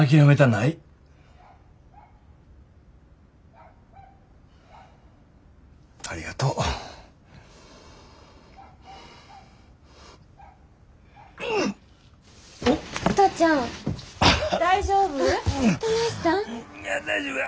いや大丈夫や。